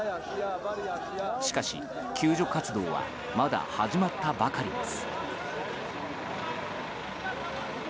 しかし、救助活動はまだ始まったばかりです。